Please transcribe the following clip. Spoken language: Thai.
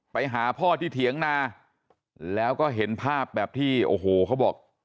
ไปหาพ่อที่เถียงนาแล้วก็เห็นภาพแบบที่โอ้โหเขาบอก